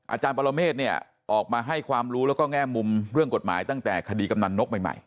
อาจารย์ปรเมฆเนี่ยออกมาให้ความรู้แล้วก็แง่มุมเรื่องกฎหมายตั้งแต่คดีกำนันนกใหม่